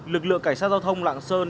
lực lượng cảnh sát giao thông lạng sơn